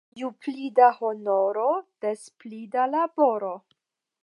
Ju pli da honoro, des pli da laboro.